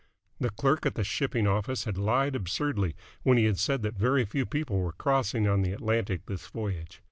The clerk at the shipping office had lied absurdly when he had said that very few people were crossing on the Atlantic this voyage.